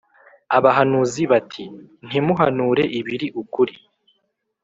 abahanuzi bati «Ntimuhanure ibiri ukuri,